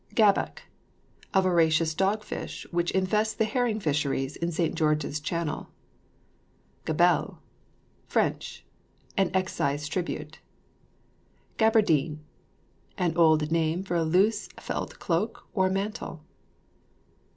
GABBOK. A voracious dog fish which infests the herring fisheries in St. George's Channel. GABELLE [Fr.] An excise tribute. GABERDINE. An old name for a loose felt cloak or mantle.